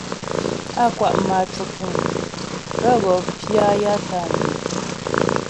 Á kwa' mâ cwəpuŋ pə wɔ pya ya tə́ á mǐ̃.